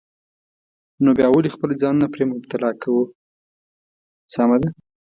نو بیا ولې خپل ځانونه پرې مبتلا کوو؟ سمه ده.